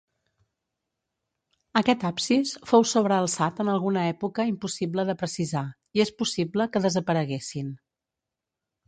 Aquest absis fou sobrealçat, en alguna època impossible de precisar, i és possible que desapareguessin.